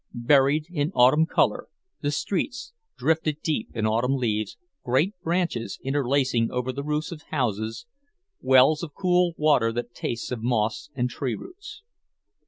buried in autumn colour, the streets drifted deep in autumn leaves, great branches interlacing over the roofs of the houses, wells of cool water that tastes of moss and tree roots.